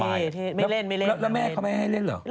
เท่ไม่เล่นไม่เล่นไม่เล่นแล้วแม่เขาไม่ให้เล่นเหรอ